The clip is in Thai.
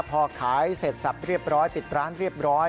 พอขายเสร็จสับเรียบร้อยปิดร้านเรียบร้อย